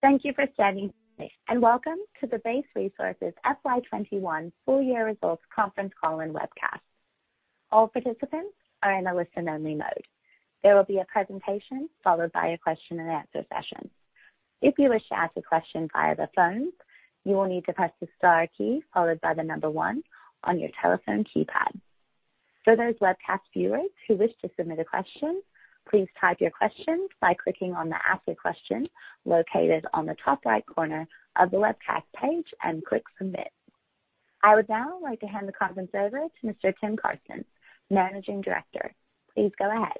Thank you for standing by, and welcome to the Base Resources FY 2021 Full Year Results Conference Call and Webcast. All participants are in a listen-only mode. There will be a presentation followed by a question and answer session. If you wish to ask a question via the phone, you will need to press the star key followed by the number one on your telephone keypad. For those webcast viewers who wish to submit a question, please type your question by clicking on the Ask Your Question located on the top right corner of the webcast page and click Submit. I would now like to hand the conference over to Mr. Tim Carstens, Managing Director. Please go ahead.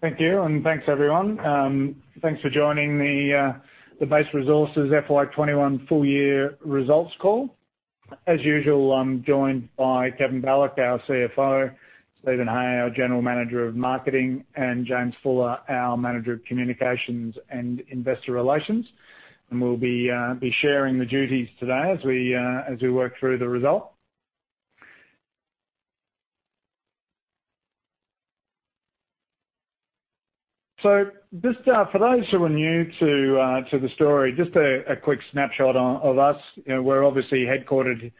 Thank you. Thanks everyone. Thanks for joining the Base Resources FY 2021 full year results call. As usual, I'm joined by Kevin Balloch, our Chief Financial Officer, Stephen Hay, our General Manager of Marketing, and James Fuller, our Manager of Communications and Investor Relations. We'll be sharing the duties today as we work through the results. Just for those who are new to the story, just a quick snapshot of us. We're obviously headquartered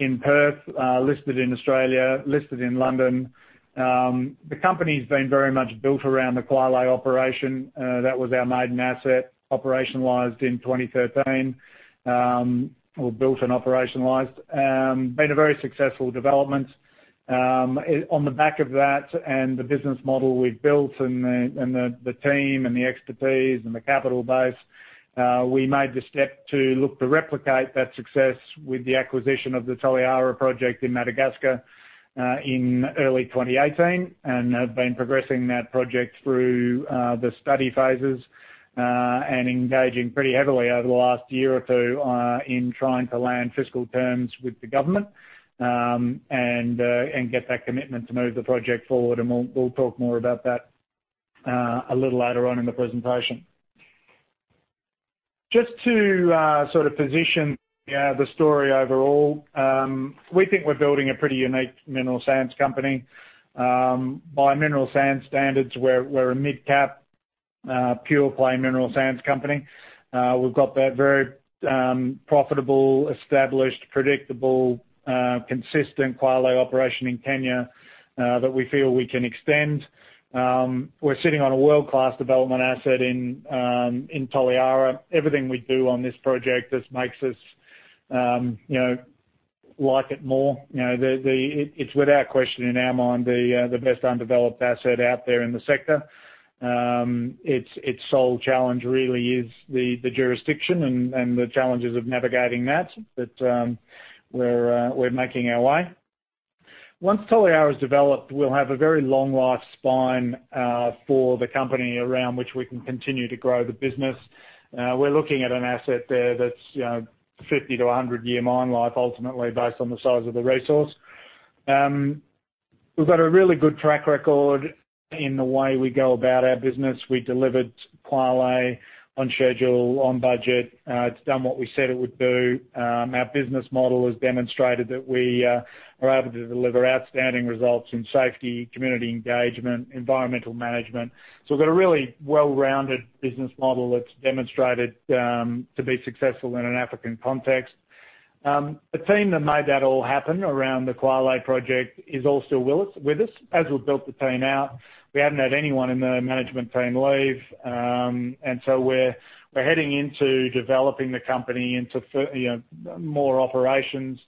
in Perth, listed in Australia, listed in London. The company's been very much built around the Kwale operation. That was our maiden asset, operationalized in 2013, or built and operationalized. It's been a very successful development. On the back of that and the business model we've built and the team and the expertise and the capital base, we made the step to look to replicate that success with the acquisition of the Toliara project in Madagascar, in early 2018. Have been progressing that project through the study phases, and engaging pretty heavily over the last year or two in trying to land fiscal terms with the government, and get that commitment to move the project forward. We'll talk more about that, a little later on in the presentation. Just to sort of position the story overall. We think we're building a pretty unique mineral sands company. By mineral sand standards, we're a mid-cap, pure play mineral sands company. We've got that very profitable, established, predictable, consistent Kwale operation in Kenya, that we feel we can extend. We're sitting on a world-class development asset in Toliara. Everything we do on this project just makes us like it more. It's without question in our mind the best undeveloped asset out there in the sector. Its sole challenge really is the jurisdiction and the challenges of navigating that. We're making our way. Once Toliara is developed, we'll have a very long life spine for the company around which we can continue to grow the business. We're looking at an asset there that's 50-100 year mine life ultimately based on the size of the resource. We've got a really good track record in the way we go about our business. We delivered Kwale on schedule, on budget. It's done what we said it would do. Our business model has demonstrated that we are able to deliver outstanding results in safety, community engagement, environmental management. We've got a really well-rounded business model that's demonstrated to be successful in an African context. The team that made that all happen around the Kwale project is all still with us. As we've built the team out, we haven't had anyone in the management team leave. We're heading into developing the company into more operations,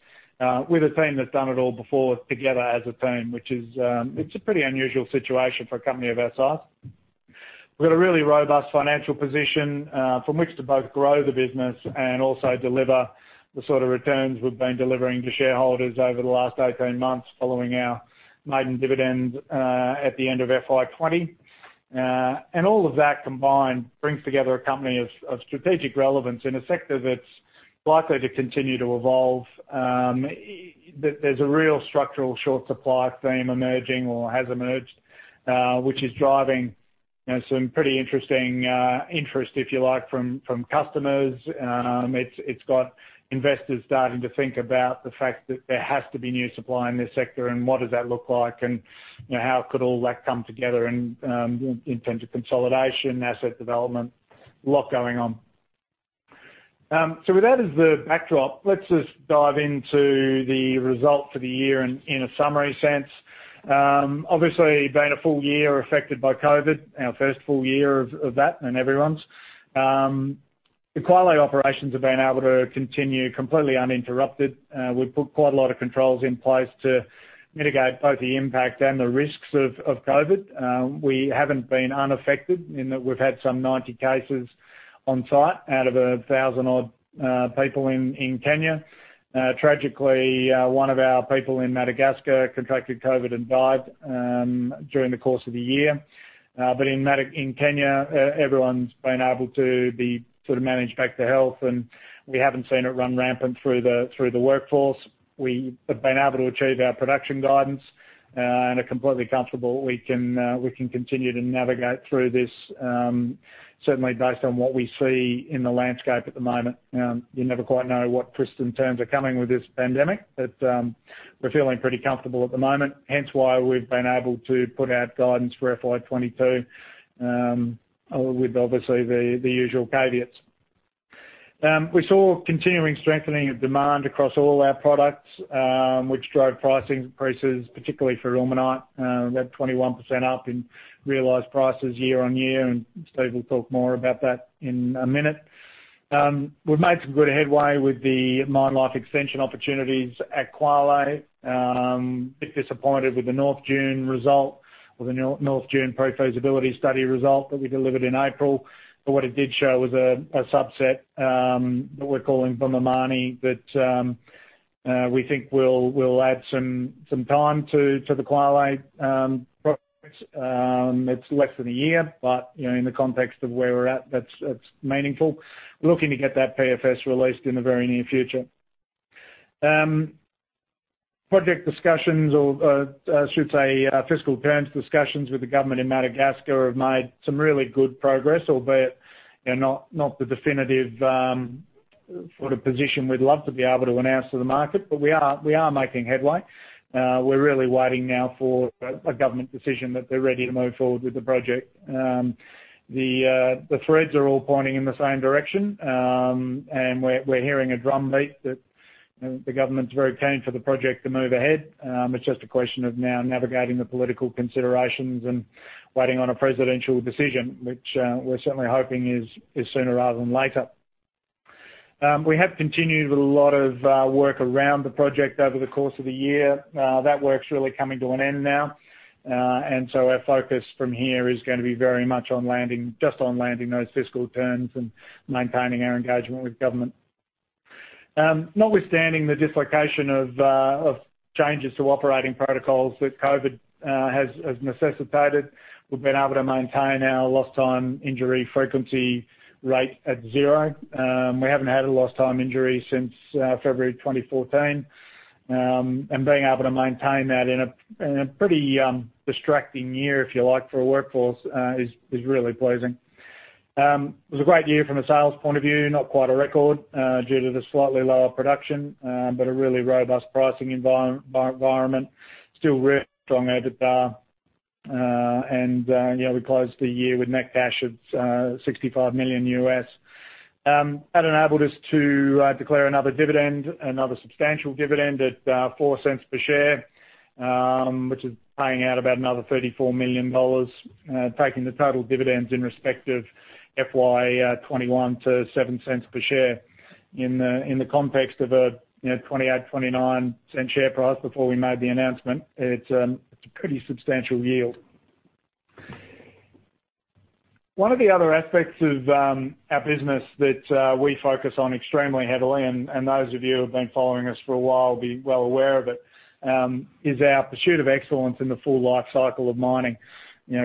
with a team that's done it all before together as a team, which is, it's a pretty unusual situation for a company of our size. We've got a really robust financial position, from which to both grow the business and also deliver the sort of returns we've been delivering to shareholders over the last 18 months following our maiden dividend, at the end of FY 2020. All of that combined brings together a company of strategic relevance in a sector that's likely to continue to evolve. There's a real structural short supply theme emerging or has emerged, which is driving some pretty interesting, interest if you like, from customers. It's got investors starting to think about the fact that there has to be new supply in this sector and what does that look like, and how could all that come together in terms of consolidation, asset development, lot going on. With that as the backdrop, let's just dive into the result for the year in a summary sense. Obviously, being a full year affected by COVID, our first full year of that and everyone's. The Kwale operations have been able to continue completely uninterrupted. We've put quite a lot of controls in place to mitigate both the impact and the risks of COVID. We haven't been unaffected in that we've had some 90 cases on site out of 1,000 odd people in Kenya. Tragically, one of our people in Madagascar contracted COVID and died during the course of the year. In Kenya, everyone's been able to be sort of managed back to health, and we haven't seen it run rampant through the workforce. We have been able to achieve our production guidance, and are completely comfortable we can continue to navigate through this, certainly based on what we see in the landscape at the moment. You never quite know what twists and turns are coming with this pandemic, but we're feeling pretty comfortable at the moment, hence why we've been able to put out guidance for FY 2022, with obviously the usual caveats. We saw continuing strengthening of demand across all our products, which drove pricing increases particularly for ilmenite, we had 21% up in realized prices year-on-year, and Steve will talk more about that in a minute. We've made some good headway with the mine life extension opportunities at Kwale. Bit disappointed with the North Dune pre-feasibility study result that we delivered in April. What it did show was a subset that we're calling Bumamani, that we think will add some time to the Kwale projects. It's less than a year, in the context of where we're at, that's meaningful. We're looking to get that Pre-Feasibility Study released in the very near future. Project discussions or, I should say, fiscal terms discussions with the government in Madagascar have made some really good progress, albeit not the definitive position we'd love to be able to announce to the market. We are making headway. We're really waiting now for a government decision that they're ready to move forward with the project. The threads are all pointing in the same direction, and we're hearing a drumbeat that the government's very keen for the project to move ahead. It's just a question of now navigating the political considerations and waiting on a presidential decision, which we're certainly hoping is sooner rather than later. We have continued with a lot of work around the project over the course of the year. That work's really coming to an end now. Our focus from here is going to be very much just on landing those fiscal terms and maintaining our engagement with government. Notwithstanding the dislocation of changes to operating protocols that COVID has necessitated, we've been able to maintain our lost time injury frequency rate at zero. We haven't had a lost time injury since February 2014. Being able to maintain that in a pretty distracting year, if you like, for a workforce, is really pleasing. It was a great year from a sales point of view, not quite a record due to the slightly lower production, but a really robust pricing environment, still really strong EBITDA. We closed the year with net cash of $65 million. That enabled us to declare another substantial dividend at $0.04 per share, which is paying out about another $34 million, taking the total dividends in respect of FY 2021 to $0.07 per share. In the context of a $0.28, $0.29 share price before we made the announcement, it's a pretty substantial yield. One of the other aspects of our business that we focus on extremely heavily, and those of you who have been following us for a while will be well aware of it, is our pursuit of excellence in the full life cycle of mining.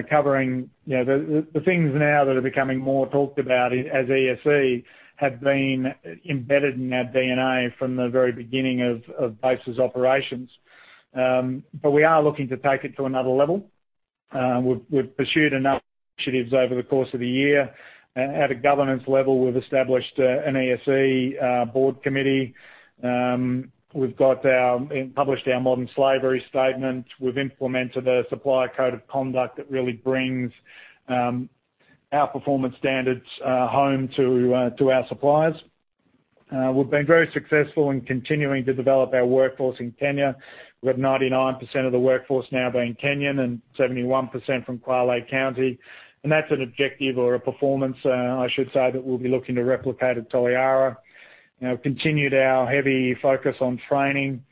Covering the things now that are becoming more talked about as Environmental, Social, and Governance have been embedded in our D&A from the very beginning of Base's operations. We are looking to take it to another level. We've pursued a number of initiatives over the course of the year. At a governance level, we've established an ESG board committee. We've published our modern slavery statement. We've implemented a supplier code of conduct that really brings our performance standards home to our suppliers. We've been very successful in continuing to develop our workforce in Kenya. We've 99% of the workforce now being Kenyan and 71% from Kwale County, that's an objective or a performance, I should say, that we'll be looking to replicate at Toliara. Continued our heavy focus on training.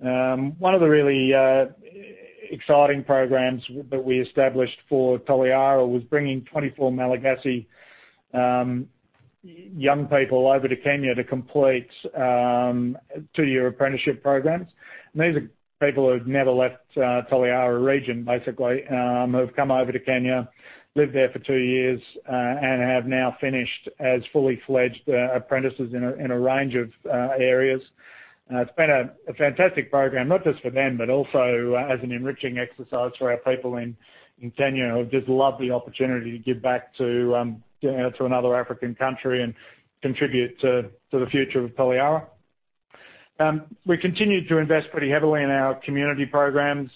One of the really exciting programs that we established for Toliara was bringing 24 Malagasy young people over to Kenya to complete two-year apprenticeship programs. These are people who've never left Toliara region, basically, who have come over to Kenya, lived there for two years, have now finished as fully fledged apprentices in a range of areas. It's been a fantastic program, not just for them, but also as an enriching exercise for our people in Kenya, who have just loved the opportunity to give back to another African country and contribute to the future of Toliara. We continued to invest pretty heavily in our community programs.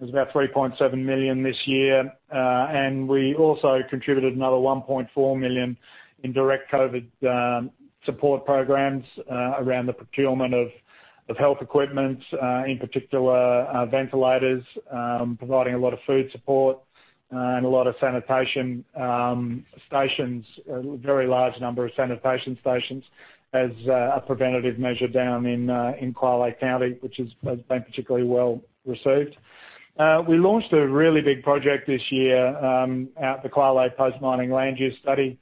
It was about $3.7 million this year. We also contributed another $1.4 million in direct COVID support programs around the procurement of health equipment, in particular ventilators, providing a lot of food support, and a lot of sanitation stations. A very large number of sanitation stations as a preventative measure down in Kwale County, which has been particularly well received. We launched a really big project this year, the Kwale Post Mining Land Use Study.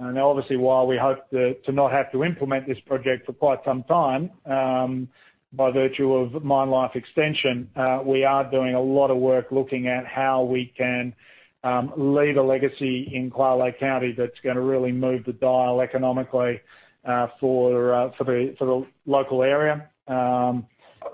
Obviously, while we hope to not have to implement this project for quite some time, by virtue of mine life extension, we are doing a lot of work looking at how we can leave a legacy in Kwale County that's going to really move the dial economically for the local area.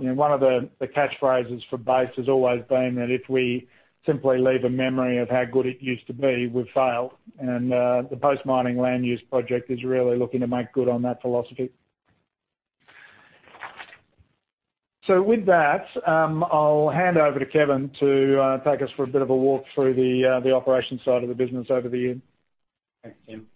One of the catchphrases for Base has always been that if we simply leave a memory of how good it used to be, we've failed. The Post Mining Land Use project is really looking to make good on that philosophy. So with that, I'll hand over to Kevin Balloch to take us for a bit of a walk through the operations side of the business over the year. Thanks, Tim.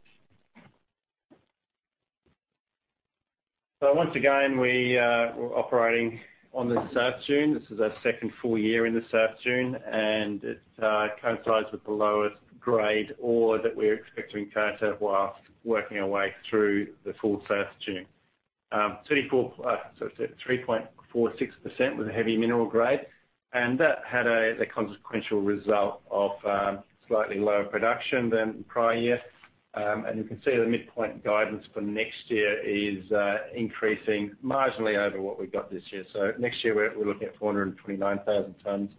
Once again, we were operating on the South Dune. This is our second full year in the South Dune, and it coincides with the lowest grade ore that we're expecting to encounter whilst working our way through the full South Dune. 3.46% with a heavy mineral grade. That had a consequential result of slightly lower production than the prior year. You can see the midpoint guidance for next year is increasing marginally over what we got this year. Next year, we're looking at 429,000 tonnes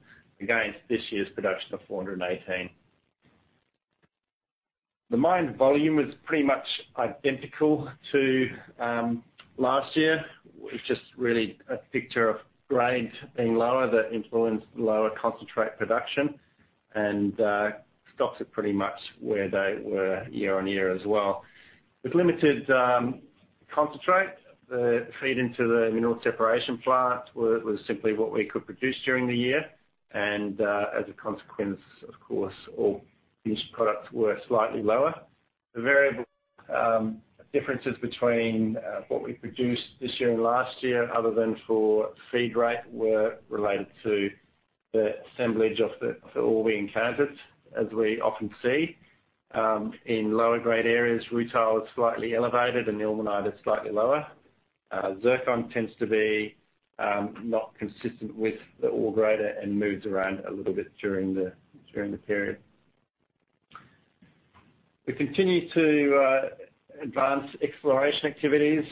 against this year's production of 418. The mine volume was pretty much identical to last year. It's just really a picture of grades being lower that influenced lower concentrate production. Stocks are pretty much where they were year on year as well. With limited concentrate, the feed into the mineral separation plant was simply what we could produce during the year. As a consequence, of course, all finished products were slightly lower. The variable differences between what we produced this year and last year, other than for feed grade, were related to the assemblage of the ore we encountered, as we often see. In lower grade areas, rutile is slightly elevated, and ilmenite is slightly lower. Zircon tends to be not consistent with the ore grade and moves around a little bit during the period. We continue to advance exploration activities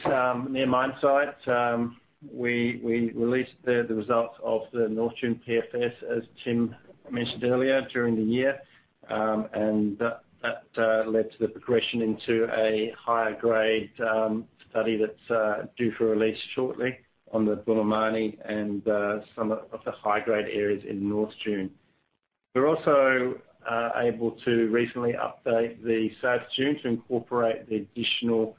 near mine site. We released the results of the North Dune Pre-Feasibility Study, as Tim mentioned earlier, during the year. That led to the progression into a higher grade study that's due for release shortly on the Bumamani and some of the high-grade areas in North Dune. We're also able to recently update the South Dune to incorporate the additional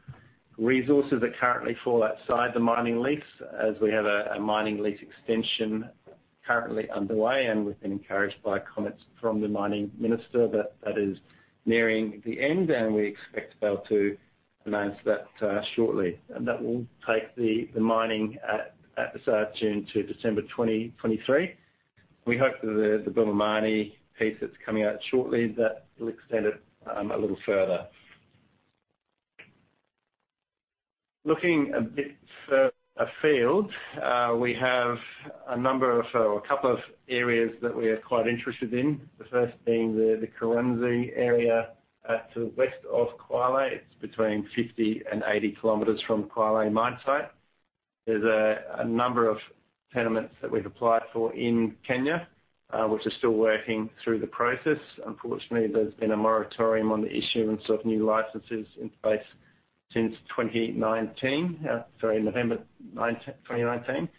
resources that currently fall outside the mining lease, as we have a mining lease extension currently underway, and we've been encouraged by comments from the Mining Minister that that is nearing the end, and we expect to be able to announce that shortly. That will take the mining at the South Dune to December 2023. We hope that the Bumamani piece that's coming out shortly, that will extend it a little further. Looking a bit further afield, we have a couple of areas that we are quite interested in. The first being the Kuranze area to the west of Kwale. It's between 50 km and 80 km from Kwale mine site. There's a number of tenements that we've applied for in Kenya, which are still working through the process. Unfortunately, there's been a moratorium on the issuance of new licenses in place since 2019. Sorry, November 2019.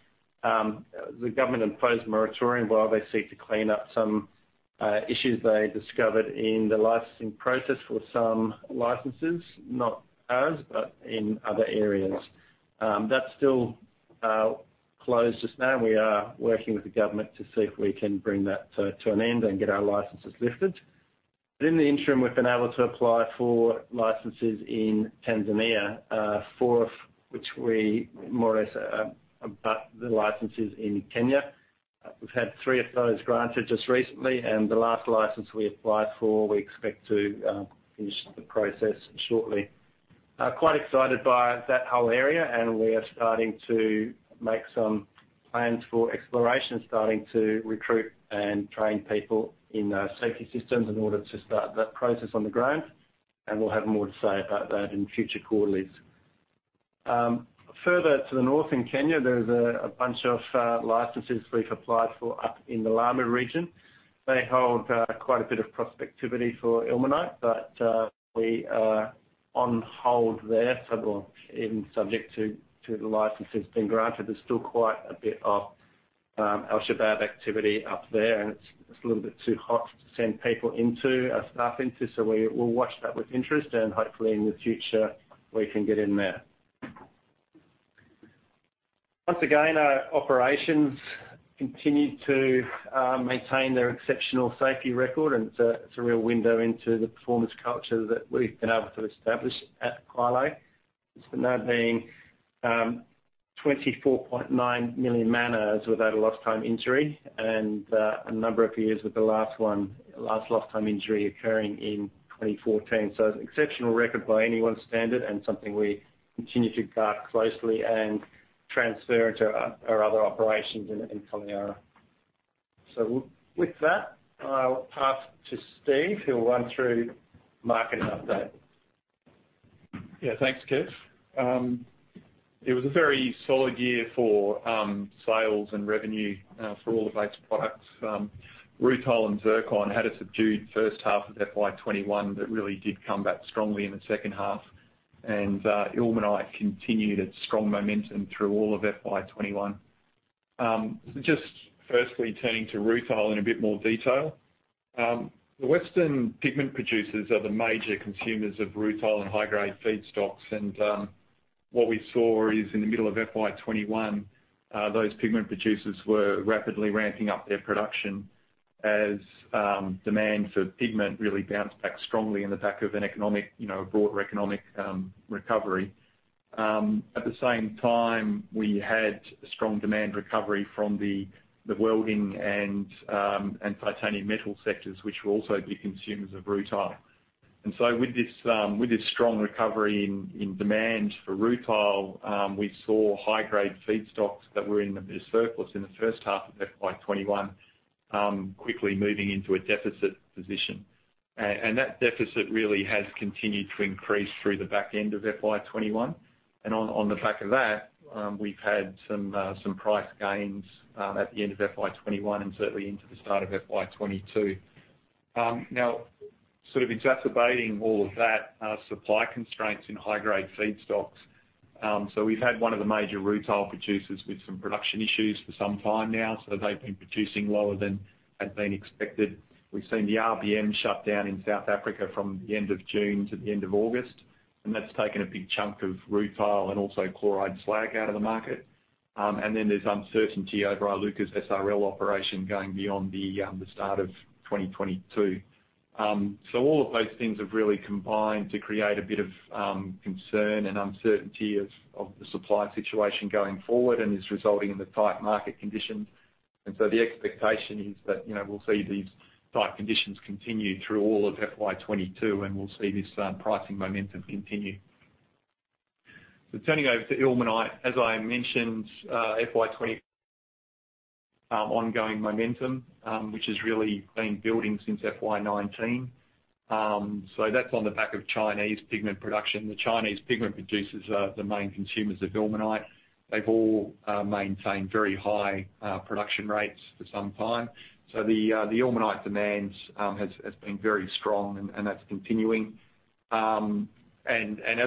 The government imposed a moratorium while they seek to clean up some issues they discovered in the licensing process for some licenses. Not ours, but in other areas. That's still closed just now, and we are working with the government to see if we can bring that to an end and get our licenses lifted. In the interim, we've been able to apply for licenses in Tanzania four of which we more or less abut the licenses in Kenya. We've had three of those granted just recently, and the last license we applied for, we expect to finish the process shortly. Quite excited by that whole area, we are starting to make some plans for exploration, starting to recruit and train people in safety systems in order to start that process on the ground. We'll have more to say about that in future quarterlies. Further to the north in Kenya, there's a bunch of licenses we've applied for up in the Lamu Region. They hold quite a bit of prospectivity for ilmenite, but we are on hold there, even subject to the licenses being granted. There's still quite a bit of Al-Shabaab activity up there, and it's a little bit too hot to send people into, our staff into. We will watch that with interest and hopefully in the future, we can get in there. Once again, our operations continued to maintain their exceptional safety record, and it's a real window into the performance culture that we've been able to establish at Kwale. It's now been 24.9 million man-hours without a lost time injury and a number of years with the last lost time injury occurring in 2014. It's an exceptional record by anyone's standard and something we continue to guard closely and transfer into our other operations in Kenya. With that, I'll pass to Stephen Hay, who will run through market update. Yeah. Thanks, Kev. It was a very solid year for sales and revenue for all of Base products. Rutile and zircon had a subdued first half of FY 2021 that really did come back strongly in the second half. Ilmenite continued its strong momentum through all of FY 2021. Just firstly turning to rutile in a bit more detail. The Western pigment producers are the major consumers of rutile and high-grade feedstocks. What we saw is in the middle of FY 2021, those pigment producers were rapidly ramping up their production as demand for pigment really bounced back strongly on the back of a broader economic recovery. At the same time, we had a strong demand recovery from the welding and titanium metal sectors, which were also big consumers of rutile. With this strong recovery in demand for rutile, we saw high-grade feedstocks that were in a bit of surplus in the first half of FY 2021 quickly moving into a deficit position. That deficit really has continued to increase through the back end of FY 2021. On the back of that, we've had some price gains at the end of FY 2021, and certainly into the start of FY 2022. Sort of exacerbating all of that are supply constraints in high-grade feedstocks. We've had one of the major rutile producers with some production issues for some time now, so they've been producing lower than had been expected. We've seen the Richards Bay Minerals shut down in South Africa from the end of June to the end of August, and that's taken a big chunk of rutile and also chloride slag out of the market. There's uncertainty over Iluka's Sierra Rutile Limited operation going beyond the start of 2022. All of those things have really combined to create a bit of concern and uncertainty of the supply situation going forward and is resulting in the tight market conditions. The expectation is that we'll see these tight conditions continue through all of FY 2022, and we'll see this pricing momentum continue. Turning over to ilmenite. As I mentioned, FY 2020 ongoing momentum, which has really been building since FY 2019. That's on the back of Chinese pigment production. The Chinese pigment producers are the main consumers of ilmenite. They've all maintained very high production rates for some time. The ilmenite demand has been very strong and that's continuing. As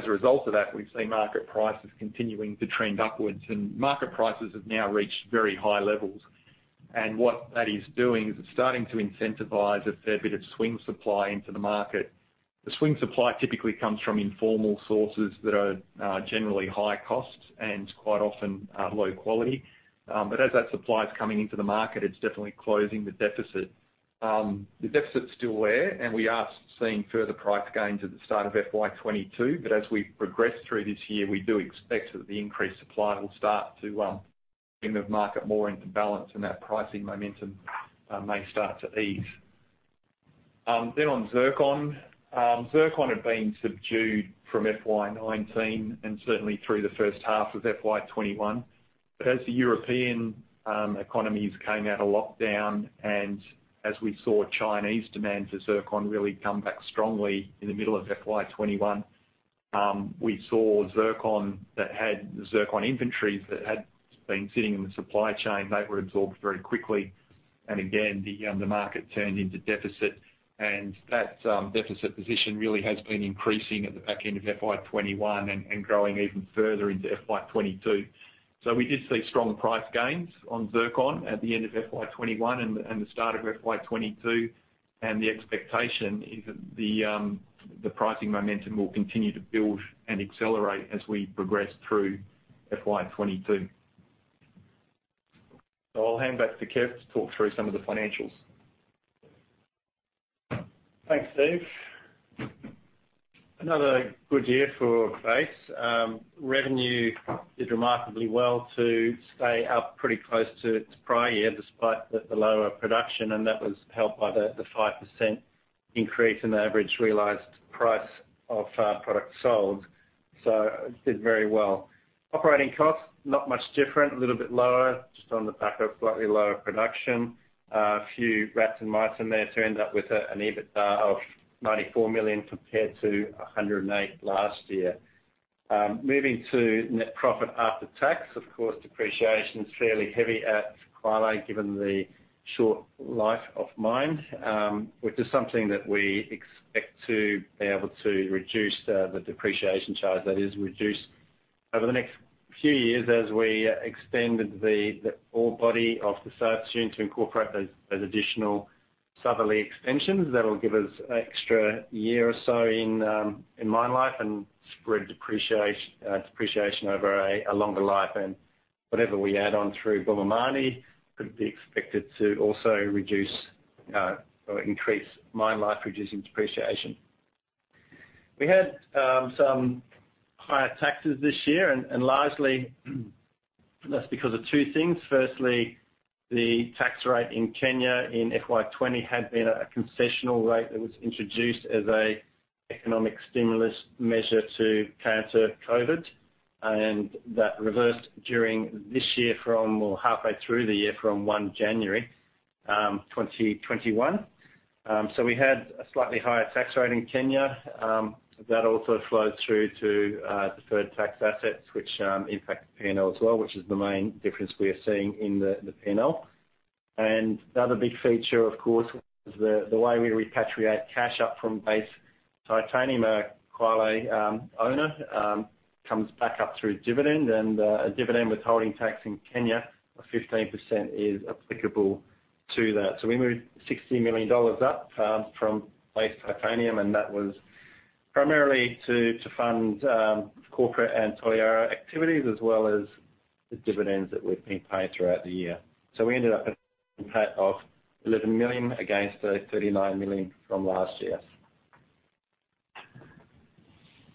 a result of that, we've seen market prices continuing to trend upwards. Market prices have now reached very high levels. What that is doing is it's starting to incentivize a fair bit of swing supply into the market. The swing supply typically comes from informal sources that are generally high cost and quite often are low quality. As that supply is coming into the market, it's definitely closing the deficit. The deficit's still there, and we are seeing further price gains at the start of FY 2022, but as we progress through this year, we do expect that the increased supply will start to bring the market more into balance and that pricing momentum may start to ease. On zircon. Zircon had been subdued from FY 2019 and certainly through the first half of FY 2021. As the European economies came out of lockdown and as we saw Chinese demand for zircon really come back strongly in the middle of FY 2021, we saw zircon inventories that had been sitting in the supply chain, they were absorbed very quickly. Again, the market turned into deficit and that deficit position really has been increasing at the back end of FY 2021 and growing even further into FY 2022. We did see strong price gains on zircon at the end of FY 2021 and the start of FY 2022, and the expectation is that the pricing momentum will continue to build and accelerate as we progress through FY 2022. I'll hand back to Kevin to talk through some of the financials. Thanks, Steve. Another good year for Base. Revenue did remarkably well to stay up pretty close to its prior year, despite the lower production. That was helped by the 5% increase in the average realized price of products sold. Operating costs, not much different, a little bit lower, just on the back of slightly lower production. A few rats and mice in there to end up with an EBITDA of $94 million compared to $108 million last year. Moving to net profit after tax. Of course, depreciation is fairly heavy at Kwale given the short life of mine, which is something that we expect to be able to reduce the depreciation charge that is reduced over the next few years as we extend the ore body of the South Dune to incorporate those additional southerly extensions. That'll give us an extra year or so in mine life and spread depreciation over a longer life. Whatever we add on through Bumamani could be expected to also increase mine life, reducing depreciation. We had some higher taxes this year, largely that's because of two things. Firstly, the tax rate in Kenya in FY 2020 had been a concessional rate that was introduced as a economic stimulus measure to counter COVID, and that reversed during this year, or halfway through the year, from 1 January 2021. We had a slightly higher tax rate in Kenya. That also flows through to deferred tax assets, which impact P&L as well, which is the main difference we are seeing in the P&L. The other big feature, of course, was the way we repatriate cash up from Base Titanium at Kwale comes back up through dividend and a dividend withholding tax in Kenya of 15% is applicable to that. We moved $60 million up from Base Titanium, and that was primarily to fund corporate and Toliara activities, as well as the dividends that we've been paying throughout the year. We ended up in pay of $11 million against the $39 million from last year.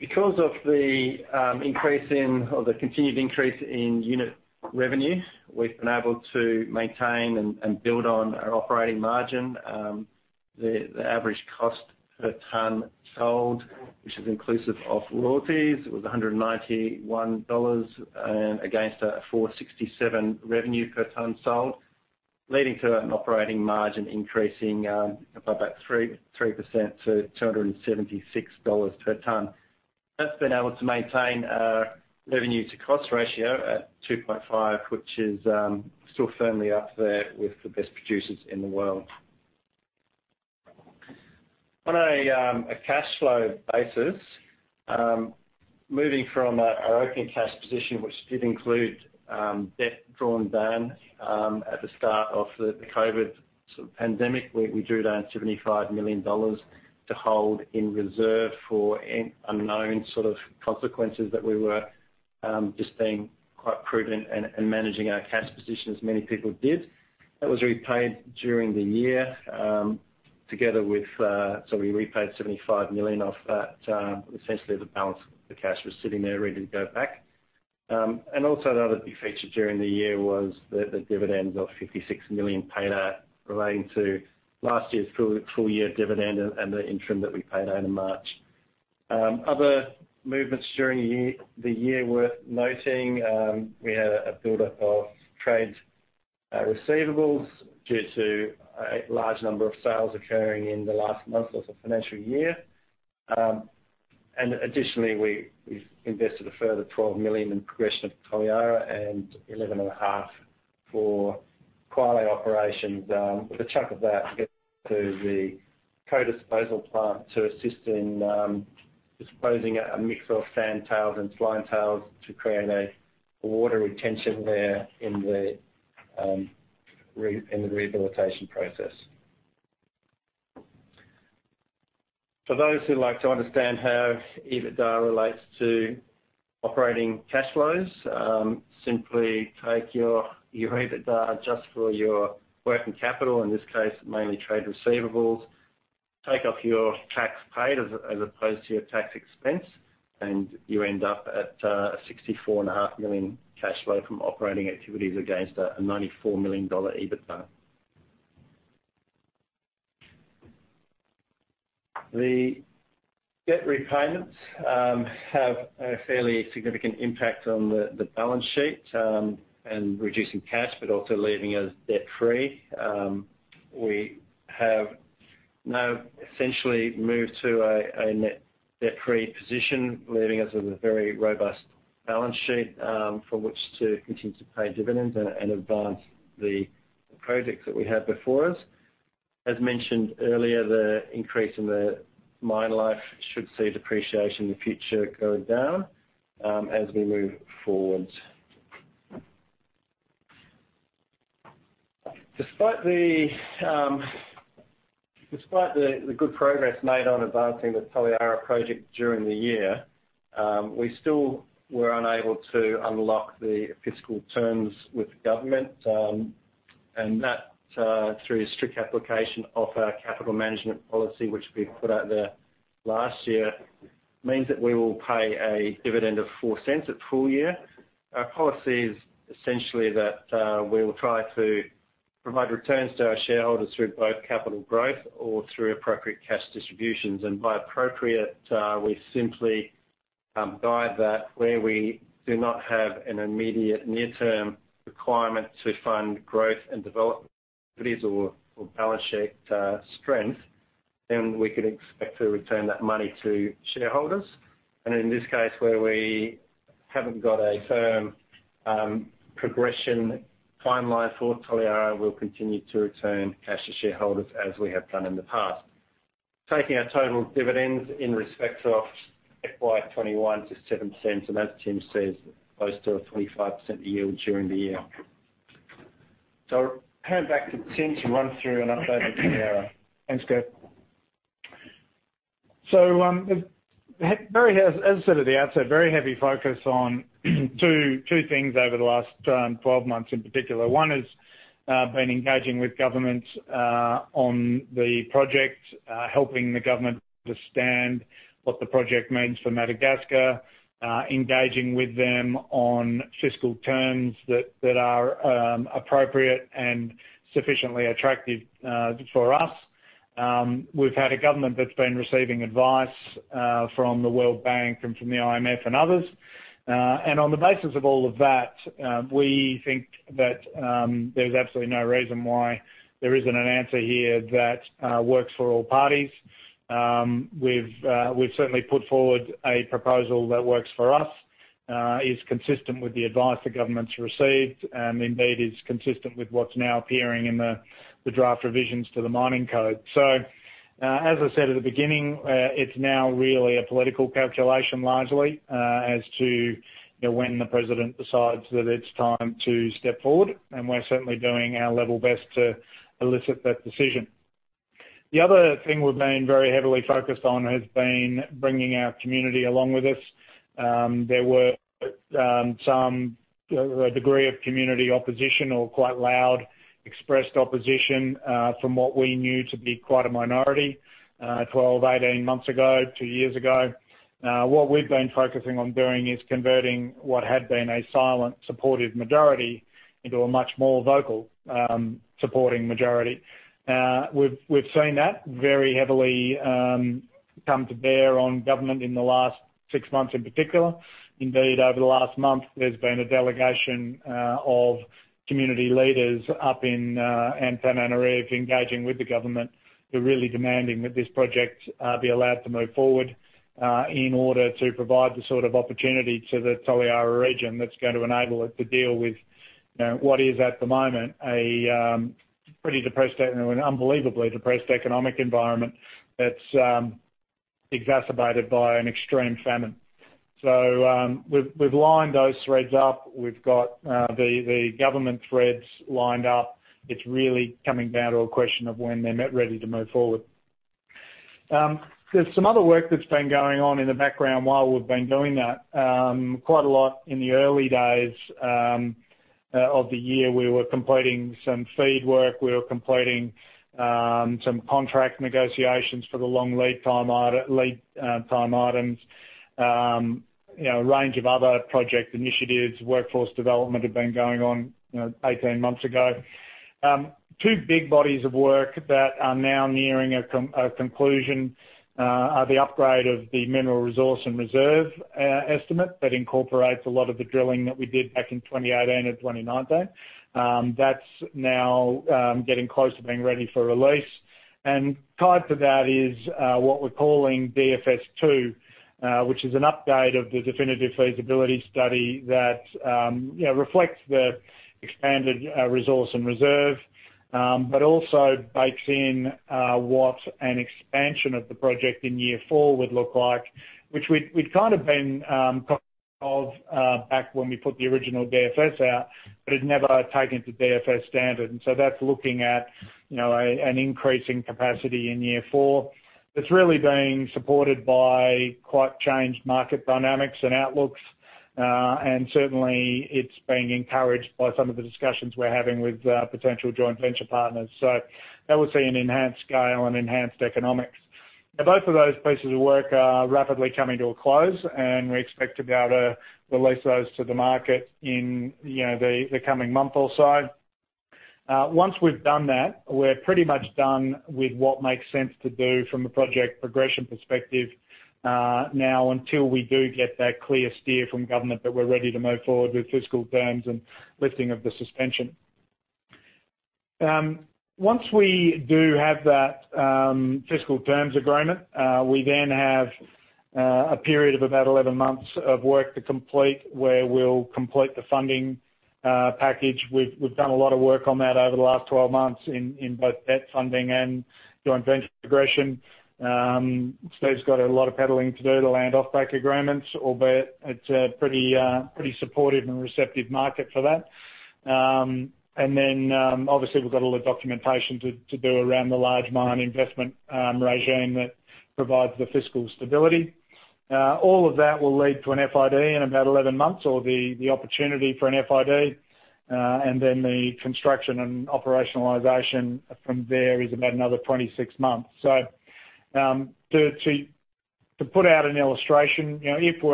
Because of the continued increase in unit revenue, we've been able to maintain and build on our operating margin. The average cost per ton sold, which is inclusive of royalties, was $191 against a $467 revenue per ton sold, leading to an operating margin increasing by about 3% to $276 per ton. That's been able to maintain our revenue to cost ratio at 2.5, which is still firmly up there with the best producers in the world. On a cash flow basis, moving from our opening cash position, which did include debt drawn down at the start of the COVID pandemic, we drew down $75 million to hold in reserve for any unknown sort of consequences that we were just being quite prudent and managing our cash position as many people did. That was repaid during the year. We repaid $75 million of that. Essentially, the balance of the cash was sitting there ready to go back. Also another big feature during the year was the dividends of $56 million paid out relating to last year's full year dividend and the interim that we paid out in March. Other movements during the year worth noting, we had a buildup of trade receivables due to a large number of sales occurring in the last month of the financial year. Additionally, we've invested a further $12 million in progression of Toliara and $11.5 million for Kwale operations. The chunk of that to get to the co-disposal plant to assist in disposing a mix of sand tails and slime tails to create a water retention there in the rehabilitation process. For those who like to understand how EBITDA relates to operating cash flows, simply take your EBITDA, adjust for your working capital, in this case, mainly trade receivables, take off your tax paid as opposed to your tax expense, and you end up at a $64.5 million cash flow from operating activities against a $94 million EBITDA. The debt repayments have a fairly significant impact on the balance sheet in reducing cash, but also leaving us debt-free. We have now essentially moved to a net debt-free position, leaving us with a very robust balance sheet from which to continue to pay dividends and advance the projects that we have before us. As mentioned earlier, the increase in the mine life should see depreciation in the future going down as we move forward. Despite the good progress made on advancing the Toliara Project during the year, we still were unable to unlock the fiscal terms with the government, and that, through strict application of our capital management policy, which we put out there last year, means that we will pay a dividend of $0.04 at full year. Our policy is essentially that we will try to provide returns to our shareholders through both capital growth or through appropriate cash distributions. By appropriate, we simply guide that where we do not have an immediate near-term requirement to fund growth and development activities or balance sheet strength, then we could expect to return that money to shareholders. In this case, where we haven't got a firm progression timeline for Toliara, we'll continue to return cash to shareholders as we have done in the past. Taking our total dividends in respect of FY 2021 to $0.07, and as Tim says, close to a 25% yield during the year. I'll hand back to Tim to run through and update the Toliara. Thanks, Kev. As I said at the outset, very heavy focus on two things over the last 12 months in particular. One has been engaging with governments on the project, helping the government understand what the project means for Madagascar, engaging with them on fiscal terms that are appropriate and sufficiently attractive for us. We've had a government that's been receiving advice from the World Bank and from the International Monetary Fund and others. On the basis of all of that, we think that there's absolutely no reason why there isn't an answer here that works for all parties. We've certainly put forward a proposal that works for us, is consistent with the advice the government's received, and indeed is consistent with what's now appearing in the draft revisions to the mining code. As I said at the beginning, it's now really a political calculation largely as to when the president decides that it's time to step forward, and we're certainly doing our level best to elicit that decision. The other thing we've been very heavily focused on has been bringing our community along with us. There were some degree of community opposition or quite loud expressed opposition, from what we knew to be quite a minority, 12, 18 months ago, two years ago. What we've been focusing on doing is converting what had been a silent, supportive majority into a much more vocal, supporting majority. We've seen that very heavily come to bear on government in the last six months, in particular. Indeed, over the last month, there's been a delegation of community leaders up in Antananarivo engaging with the government. They're really demanding that this project be allowed to move forward, in order to provide the sort of opportunity to the Toliara region that's going to enable it to deal with what is at the moment a pretty depressed, an unbelievably depressed economic environment that's exacerbated by an extreme famine. We've lined those threads up. We've got the government threads lined up. It's really coming down to a question of when they're met ready to move forward. There's some other work that's been going on in the background while we've been doing that. Quite a lot in the early days of the year, we were completing some feed work, we were completing some contract negotiations for the long lead time items. A range of other project initiatives, workforce development had been going on 18 months ago. Two big bodies of work that are now nearing a conclusion are the upgrade of the mineral resource and reserve estimate. That incorporates a lot of the drilling that we did back in 2018 and 2019. That's now getting close to being ready for release. Tied to that is what we're calling DFS2, which is an upgrade of the definitive feasibility study that reflects the expanded resource and reserve, but also bakes in what an expansion of the project in year four would look like.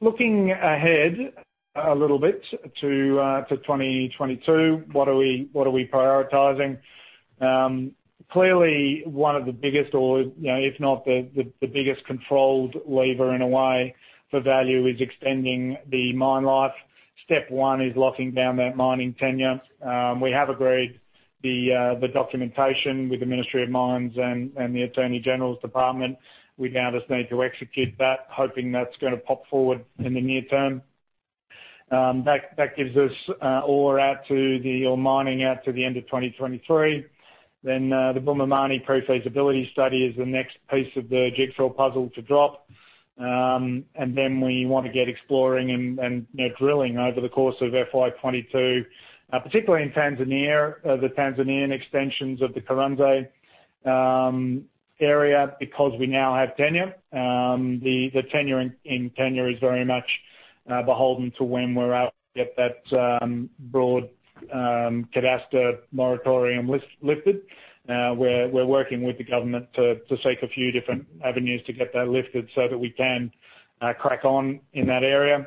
Looking ahead a little bit to 2022, what are we prioritizing? Clearly, one of the biggest or if not the biggest controlled lever in a way for value is extending the mine life. Step one is locking down that mining tenure. We have agreed the documentation with the Ministry of Mining and the Office of the Attorney General. We now just need to execute that, hoping that's going to pop forward in the near term. That gives us ore or mining out to the end of 2023. The Bumamani pre-feasibility study is the next piece of the jigsaw puzzle to drop. We want to get exploring and drilling over the course of FY 2022, particularly in the Tanzanian extensions of the Kuranze area because we now have tenure. The tenure is very much beholden to when we're out to get that broad cadastre moratorium lifted. We're working with the government to seek a few different avenues to get that lifted so that we can crack on in that area.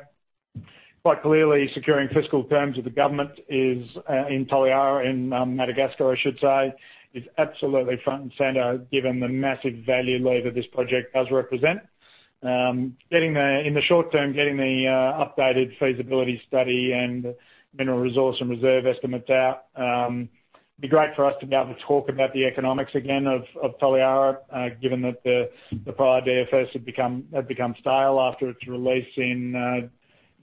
Quite clearly, securing fiscal terms with the government in Toliara, in Madagascar, I should say, is absolutely front and center given the massive value lever this project does represent. In the short term, getting the updated feasibility study and mineral resource and reserve estimates out. It'd be great for us to be able to talk about the economics again of Toliara, given that the prior DFS had become stale after its release in December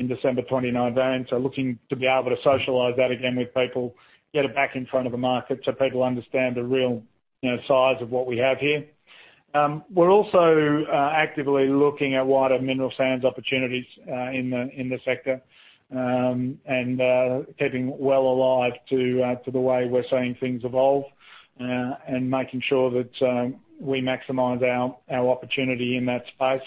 2019. Looking to be able to socialize that again with people, get it back in front of a market so people understand the real size of what we have here. We're also actively looking at wider mineral sands opportunities in the sector, and keeping well alive to the way we're seeing things evolve, and making sure that we maximize our opportunity in that space.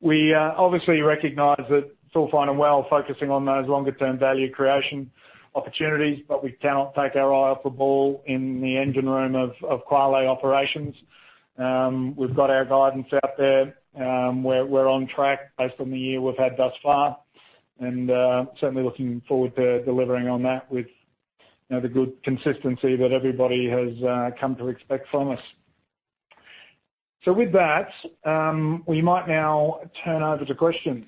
We obviously recognize that it's all fine and well focusing on those longer-term value creation opportunities, but we cannot take our eye off the ball in the engine room of Kwale operations. We've got our guidance out there. We're on track based on the year we've had thus far, and certainly looking forward to delivering on that with the good consistency that everybody has come to expect from us. With that, we might now turn over to questions.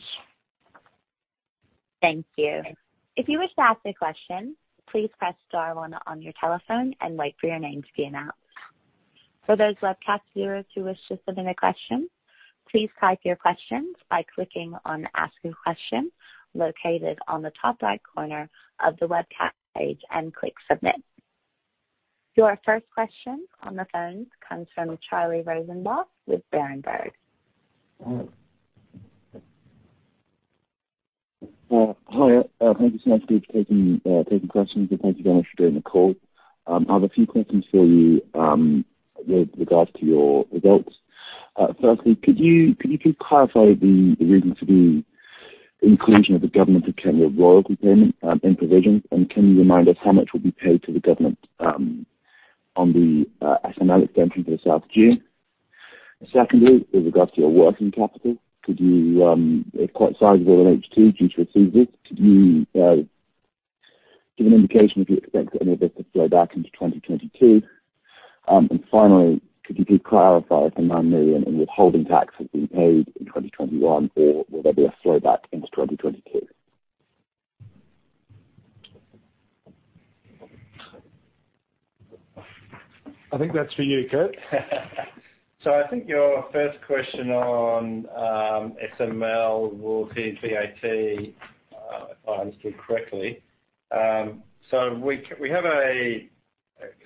Thank you. If you wish to ask a question, please press star one on your telephone and wait for your name to be announced. For those webcast viewers who wish to submit a question, please type your questions by clicking on Ask a Question, located on the top right corner of the webcast page, and click Submit. Your first question on the phone comes from Richard Hatch with Berenberg. Hi. Thank you so much for taking questions and thank you very much for doing the call. I have a few questions for you with regards to your results. Firstly, could you please clarify the reason for the inclusion of the Government of Kenya royalty payment in provisions, and can you remind us how much will be paid to the Government on the Special Mining Lease extension for South Dune? Secondly, with regards to your working capital, it's quite sizable in H2 due to receivables. Could you give an indication if you expect any of it to flow back into 2022? Finally, could you please clarify if the $9 million in withholding tax has been paid in 2021 or will there be a flow back into 2022? I think that's for you, Kev. I think your first question on SML royalty and Value Added Tax, if I understood correctly. We have a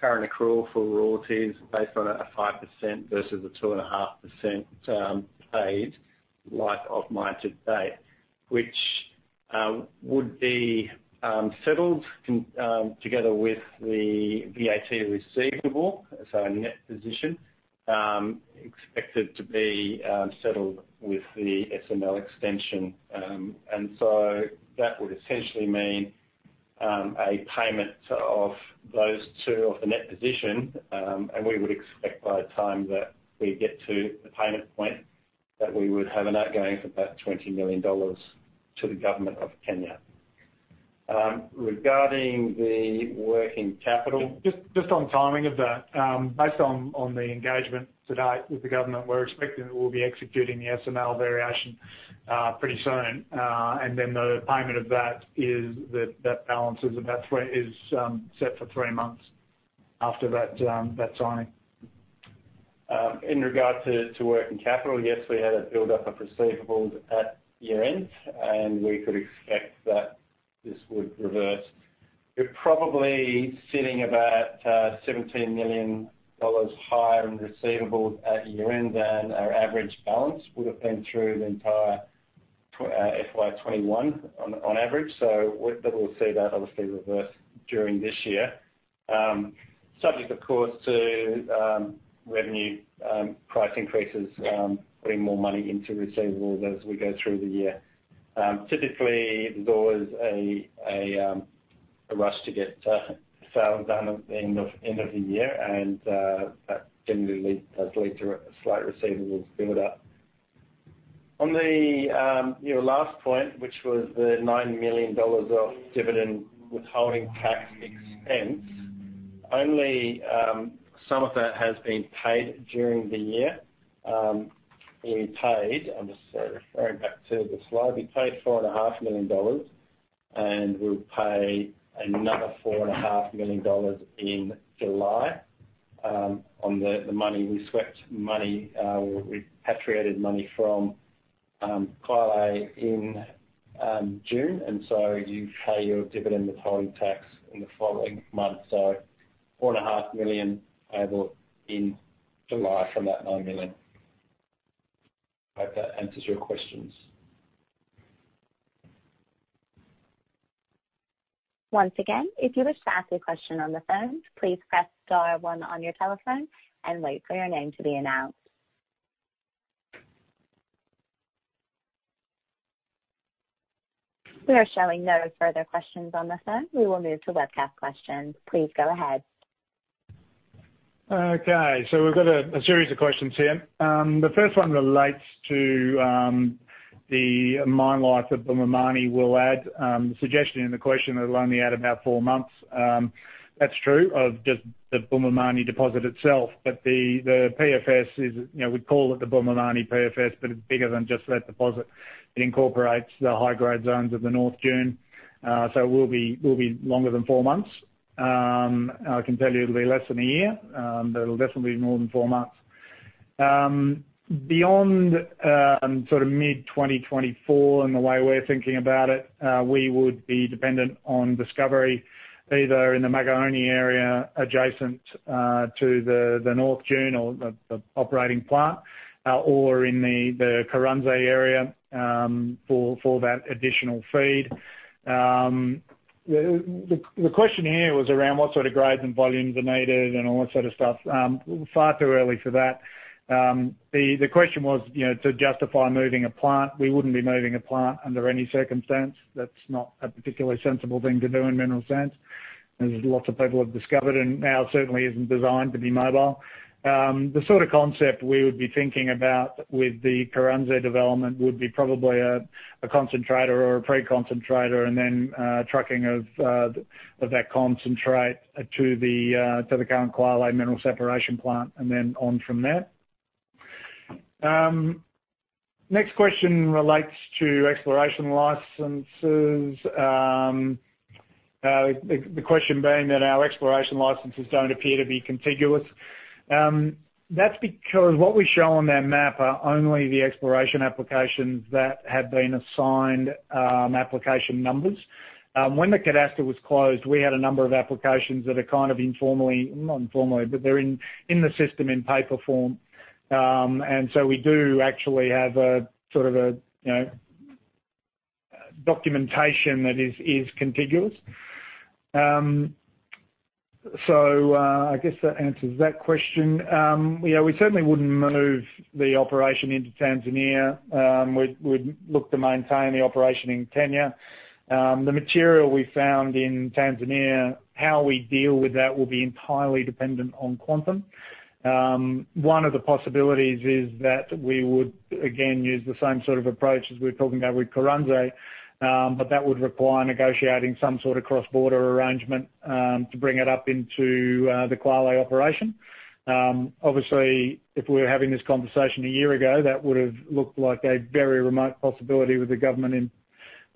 current accrual for royalties based on a 5% versus a 2.5% paid like of mine to date, which would be settled together with the VAT receivable. Our net position expected to be settled with the SML extension. That would essentially mean a payment of those two of the net position, and we would expect by the time that we get to the payment point, that we would have an outgoing of about $20 million to the government of Kenya. Regarding the working capital- Just on timing of that. Based on the engagement to date with the government, we're expecting that we'll be executing the SML variation pretty soon. The payment of that balance is set for three months after that signing. In regard to working capital, yes, we had a buildup of receivables at year-end, and we could expect that this would reverse. We're probably sitting about $17 million higher in receivables at year-end than our average balance would've been through the entire FY 2021 on average. We'll see that obviously reverse during this year. Subject, of course, to revenue price increases bringing more money into receivables as we go through the year. Typically, there's always a rush to get sales done at the end of the year, and that generally does lead to a slight receivables build-up. On your last point, which was the $9 million of dividend withholding tax expense, only some of that has been paid during the year. We paid, I'm just referring back to the slide. We paid $4.5 million, and we'll pay another $4.5 million in July. On the money we swept, money we repatriated money from Kwale in June. You pay your dividend withholding tax in the following month. $4.5 million payable in July from that $9 million. Hope that answers your questions. Once again if you wish to ask question on the phone, press star one on your telephone as the earnings will end. We are showing no further questions on the phone. We will move to webcast questions. Please go ahead. Okay. We've got a series of questions here. The first one relates to the mine life that Bumamani will add. The suggestion in the question, it'll only add about four months. That's true of just the Bumamani deposit itself, but the PFS is, we call it the Bumamani PFS, but it's bigger than just that deposit. It incorporates the high-grade zones of the North Dune, so it will be longer than four months. I can tell you it'll be less than one year, but it'll definitely be more than four months. Beyond sort of mid-2024 and the way we're thinking about it, we would be dependent on discovery, either in the Magaoni area adjacent to the North Dune or the operating plant, or in the Kuranze area for that additional feed. The question here was around what sort of grades and volumes are needed and all that sort of stuff. Far too early for that. The question was, to justify moving a plant. We wouldn't be moving a plant under any circumstance. That's not a particularly sensible thing to do in mineral sands, as lots of people have discovered, and now certainly isn't designed to be mobile. The sort of concept we would be thinking about with the Kuranze development would be probably a concentrator or a pre-concentrator and then trucking of that concentrate to the current Kwale mineral separation plant, and then on from there. Next question relates to exploration licenses. The question being that our exploration licenses don't appear to be contiguous. That's because what we show on that map are only the exploration applications that have been assigned application numbers. When the cadastre was closed, we had a number of applications that are kind of informally, not informally, but they're in the system in paper form. We do actually have a sort of a documentation that is contiguous. I guess that answers that question. We certainly wouldn't move the operation into Tanzania. We'd look to maintain the operation in Kenya. The material we found in Tanzania, how we deal with that will be entirely dependent on quantum. One of the possibilities is that we would, again, use the same sort of approach as we're talking about with Kuranze, but that would require negotiating some sort of cross-border arrangement to bring it up into the Kwale operation. Obviously, if we were having this conversation a year ago, that would've looked like a very remote possibility with the government and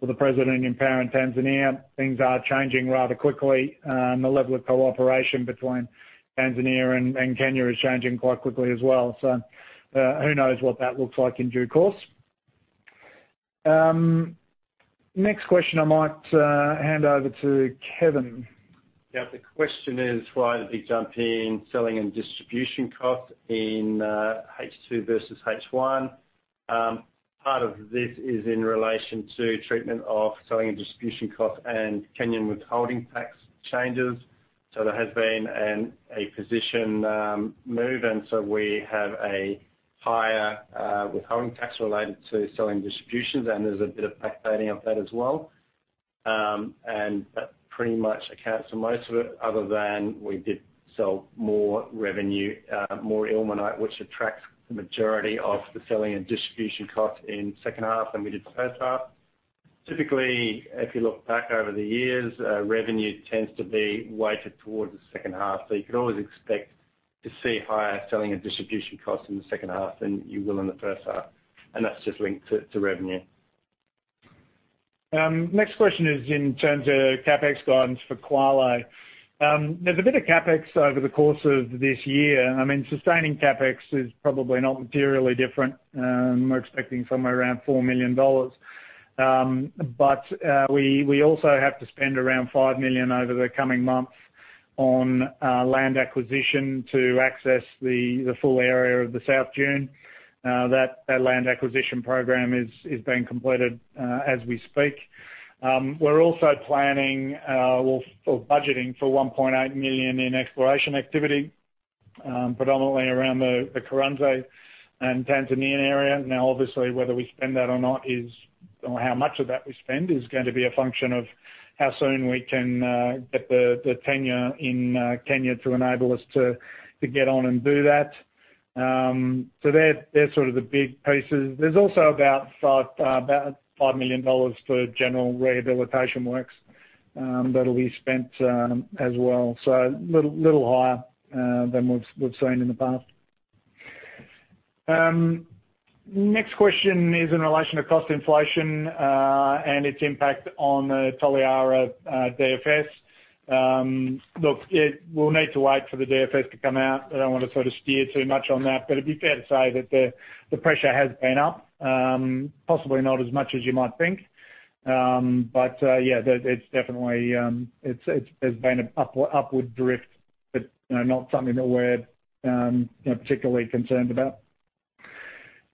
with the president in power in Tanzania. Things are changing rather quickly. The level of cooperation between Tanzania and Kenya is changing quite quickly as well. Who knows what that looks like in due course. Next question I might hand over to Kevin. The question is why the big jump in selling and distribution cost in H2 versus H1. Part of this is in relation to treatment of selling and distribution cost and Kenyan withholding tax changes. That has been a position move, and we have a higher withholding tax related to selling distributions, and there's a bit of backdating of that as well. That pretty much accounts for most of it, other than we did sell more revenue, more ilmenite, which attracts the majority of the selling and distribution cost in second half than we did the first half. Typically, if you look back over the years, revenue tends to be weighted towards the second half. You could always expect to see higher selling and distribution costs in the second half than you will in the first half. And that's just linked to revenue. Next question is in terms of CapEx guidance for Kwale. There's a bit of CapEx over the course of this year. Sustaining CapEx is probably not materially different. We're expecting somewhere around $4 million. We also have to spend around $5 million over the coming months on land acquisition to access the full area of the South Dune. That land acquisition program is being completed as we speak. We're also planning or budgeting for $1.8 million in exploration activity, predominantly around the Kuranze and Tanzanian area. Obviously, whether we spend that or not is, or how much of that we spend is going to be a function of how soon we can get the tenure in Kenya to enable us to get on and do that. They're sort of the big pieces. There's also about $5 million for general rehabilitation works that'll be spent as well. Little higher than we've seen in the past. Next question is in relation to cost inflation, and its impact on the Toliara DFS. Look, we'll need to wait for the DFS to come out. I don't want to sort of steer too much on that, but it'd be fair to say that the pressure has been up. Possibly not as much as you might think. Yeah, it's definitely, there's been an upward drift, but not something that we're particularly concerned about.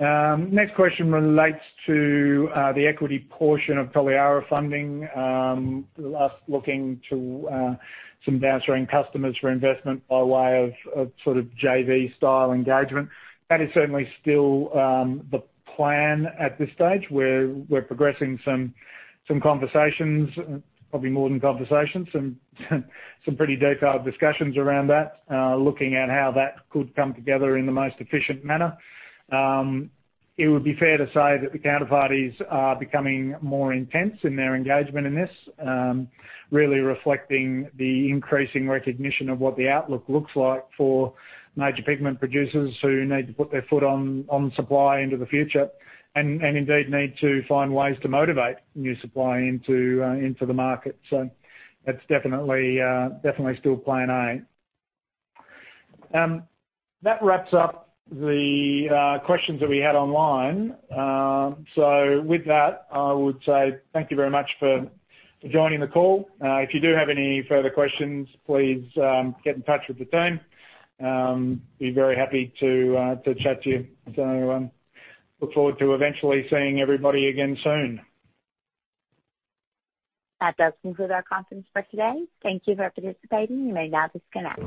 Next question relates to the equity portion of Toliara funding. Us looking to some downstream customers for investment by way of sort of JV-style engagement. That is certainly still the plan at this stage. We're progressing some conversations, probably more than conversations, some pretty detailed discussions around that, looking at how that could come together in the most efficient manner. It would be fair to say that the counterparties are becoming more intense in their engagement in this, really reflecting the increasing recognition of what the outlook looks like for major pigment producers who need to put their foot on supply into the future. And indeed need to find ways to motivate new supply into the market. That's definitely still plan A. That wraps up the questions that we had online. With that, I would say thank you very much for joining the call. If you do have any further questions, please get in touch with the team. We'd be very happy to chat to you. Everyone, look forward to eventually seeing everybody again soon. That does conclude our conference for today. Thank you for participating. You may now disconnect.